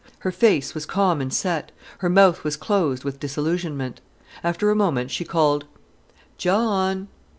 Her face was calm and set, her mouth was closed with disillusionment. After a moment she called: "John!"